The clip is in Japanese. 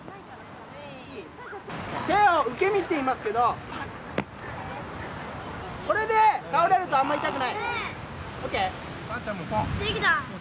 手を受け身って言いますけどこれで倒れるとあんまり痛くない。